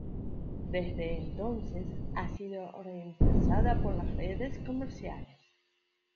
Desde entonces ha sido reemplazada por las redes comerciales.